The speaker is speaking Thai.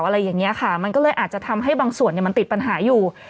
อะไรอย่างนี้ค่ะมันก็เลยอาจจะทำให้บางส่วนมันติดปัญหาอยู่